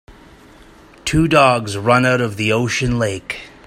Two dogs run out of the ocean lake.